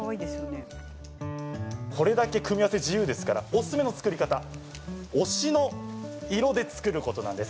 これだけ組み合わせ自由ですからおすすめの作り方推しの色で作ることなんです。